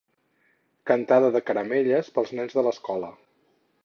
Cantada de caramelles pels nens de l'escola.